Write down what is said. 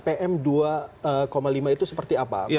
pm dua lima itu seperti apa